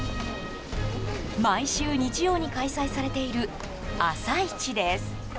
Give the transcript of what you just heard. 毎週日曜に開催されている朝市です。